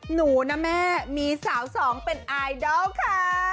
หนูนะแม่มีสาวสองเป็นไอดอลค่ะ